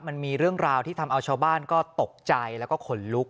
มันมีเรื่องราวที่ทำเอาชาวบ้านก็ตกใจแล้วก็ขนลุก